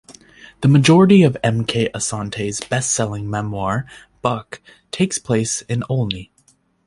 The majority of M. K. Asante's bestselling memoir Buck takes place in Olney.